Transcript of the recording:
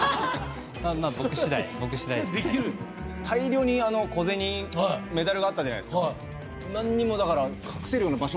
大量に小銭メダルがあったじゃないですか。